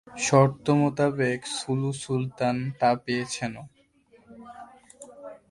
শর্ত মোতাবেক সুলু সুলতান তা পেয়েছেনও।